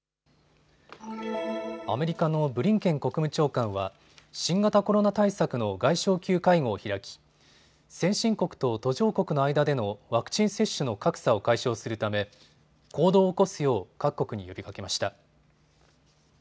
アメリカのブリンケン国務長官は新型コロナ対策の外相級会合を開き先進国と途上国の間でのワクチン接種の格差を解消するため行動を起こすよう各国に呼びかけました。